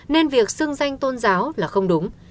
nên việc xưng danh tôn giáo là không đúng